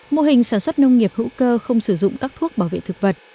mô hình sản xuất nông nghiệp hữu cơ không sử dụng các thuốc bảo vệ thực vật